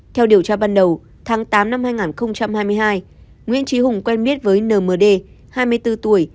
theo điều tra ban đầu tháng tám năm hai nghìn hai mươi hai nguyễn trí hùng quen biết với nd hai mươi bốn tuổi